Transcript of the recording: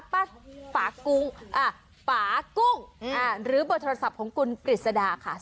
ปากุ้งหรือโทรศัพท์ของคุณกฤษดาค่ะ